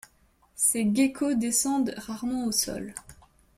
Ces geckos descendent rarement au sol.